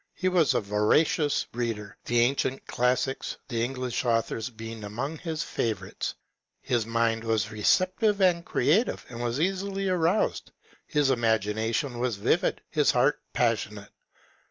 He was a voracious reader, the ancient classics and English authors being HAVAMN's INTBIiLBOTCJAL GHAEAOTKR. 203 among his iavourites. His mind was receptive and creative, and was easily aroused ; his imagination was vivid, his heart passionate.